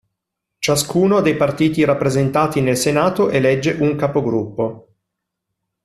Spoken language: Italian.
Ciascuno dei partiti rappresentati nel Senato elegge un capogruppo.